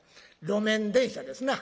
路面電車ですな。